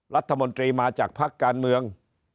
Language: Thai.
รัฐมนตรีมาจากภักดิ์การเมือง